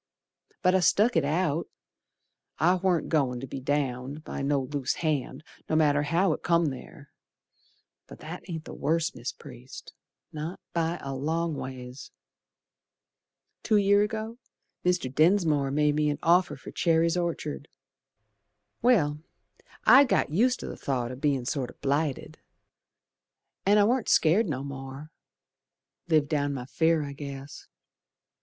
But I stuck it out, I warn't goin' to be downed By no loose hand, no matter how it come ther But that ain't the worst, Mis' Priest, Not by a long ways. Two year ago, Mr. Densmore made me an offer for Cherry's Orchard. Well, I'd got used to th' thought o' bein' sort o' blighted, An' I warn't scared no more. Lived down my fear, I guess.